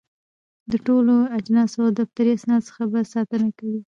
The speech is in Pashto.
د ټولو اجناسو او دفتري اسنادو څخه به ساتنه کوي.